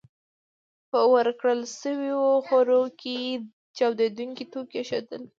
په ورکړل شويو خوړو کې چاودېدونکي توکي ایښودل